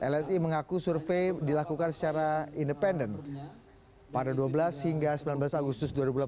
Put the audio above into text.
lsi mengaku survei dilakukan secara independen pada dua belas hingga sembilan belas agustus dua ribu delapan belas